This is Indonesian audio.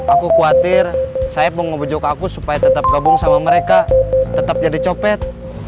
aku khawatir saya mau ngebejok aku supaya tetap gabung sama mereka tetap jadi copet